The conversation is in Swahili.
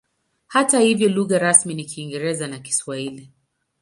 Hata hivyo lugha rasmi ni Kiingereza na Kiswahili.